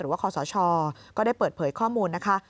หรือว่าขอสชก็ได้เปิดเผยข้อมูลนะคะ